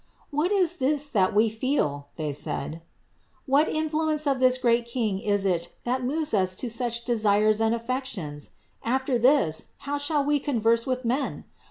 "What is this that we feel?" they said. "What influence of this great King is it that moves us to such desires and affections? After this, how shall we converse with men?